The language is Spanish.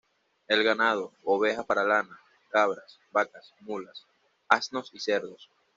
El ganado, ovejas para lana, cabras, vacas, mulas, asnos y cerdos.